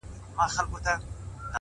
ستا څخه چي ياره روانـــــــــــېــږمه؛